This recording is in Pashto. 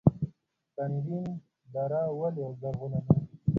سنګین دره ولې زرغونه ده؟